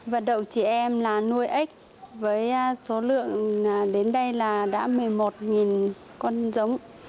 vận động chị em là nuôi ếch với số lượng đến đây là đã một mươi một con giống